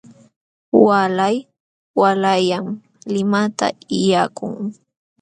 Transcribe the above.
Waalay waalayllam limata illakun.